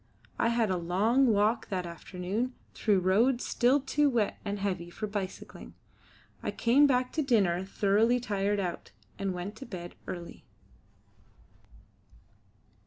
I had a long walk that afternoon through roads still too wet and heavy for bicycling. I came back to dinner thoroughly tired out, and went to bed early.